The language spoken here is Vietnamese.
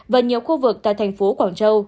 và nhiều khu vực tại thành phố quảng châu